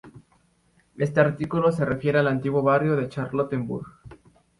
Este artículo se refiere al antiguo barrio de Charlottenburg.